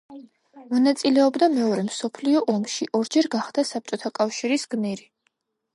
მონაწილეობდა მეორე მსოფლიო ომში, ორჯერ გახდა საბჭოთა კავშირის გმირი.